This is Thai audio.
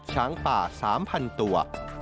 ช้างป่า๓๐๐๐ตัว